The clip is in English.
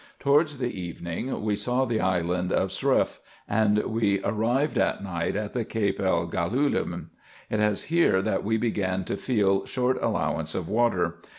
Towards the evening we saw the island of Suarif, and we arrived at night at the Cape el Golahen. It was here that we began to feel short allowance of water.